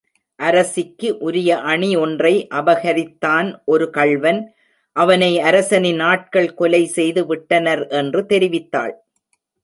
அரசிக்கு உரிய அணி ஒன்றை அபகரித்தான் ஒரு கள்வன் அவனை அரசனின் ஆட்கள் கொலைசெய்து விட்டனர் என்று தெரிவித்தாள்.